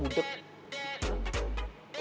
gue gak mau